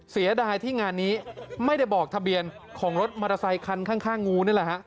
เสียดายที่งานนี้ไม่ได้บอกทะเบียนของรถมอเตอร์ไซคันข้างงูนี่แหละฮะ